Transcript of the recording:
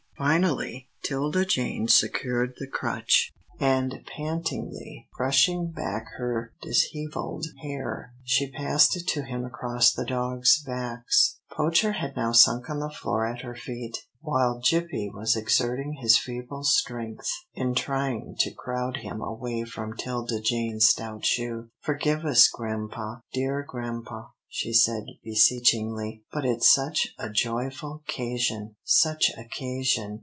Finally 'Tilda Jane secured the crutch, and, pantingly brushing back her dishevelled hair, she passed it to him across the dogs' backs. Poacher had now sunk on the floor at her feet, while Gippie was exerting his feeble strength in trying to crowd him away from 'Tilda Jane's stout shoes. "Forgive us, grampa, dear grampa," she said, beseechingly; "but it's such a joyful 'casion such a 'casion.